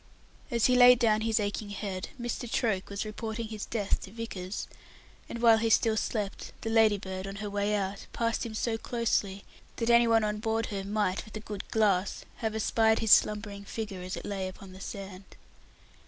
As he laid down his aching head, Mr. Troke was reporting his death to Vickers, and while he still slept, the Ladybird, on her way out, passed him so closely that any one on board her might, with a good glass, have espied his slumbering figure as it lay upon the sand.